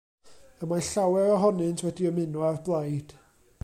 Y mae llawer ohonynt wedi ymuno â'r blaid.